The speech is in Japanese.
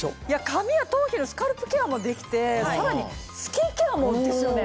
髪や頭皮のスカルプケアもできてさらにスキンケアもですよね？